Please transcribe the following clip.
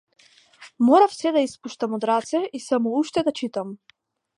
Морав сѐ да испуштам од раце и само уште да читам.